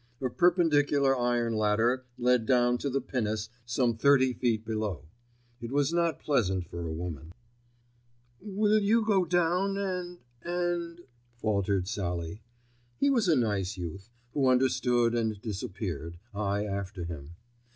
A perpendicular iron ladder led down to the pinnace some thirty feet below. It was not pleasant for a woman. "Will you go down and—and——" faltered Sallie. He was a nice youth, who understood and disappeared, I after him.